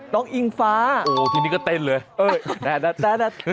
น้องอิงฟ้าโอ้โฮทีนี้ก็เต้นเลยแน่นัด